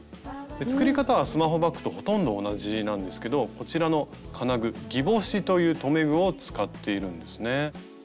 作り方はスマホバッグとほとんど同じなんですけどこちらの金具「ギボシ」という留め具を使っているんですね。